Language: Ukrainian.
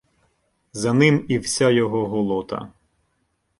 За ним і вся його голота